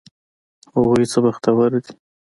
هغوی څه بختور دي!